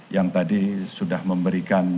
yang tadi sudah memberikan